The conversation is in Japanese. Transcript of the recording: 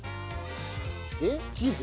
でチーズ？